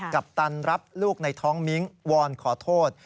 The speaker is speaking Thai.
ปตันรับลูกในท้องมิ้งวอนขอโทษ